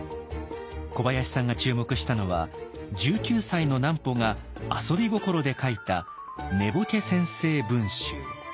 小林さんが注目したのは１９歳の南畝が遊び心で書いた「寝惚先生文集」。